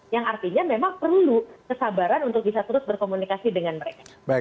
yang artinya memang perlu kesabaran untuk bisa terus berkomunikasi dengan mereka